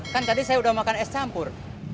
kan tadi saya udah makan es campur